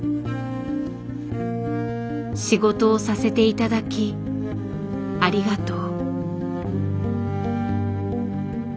仕事をさせて頂きありがとう。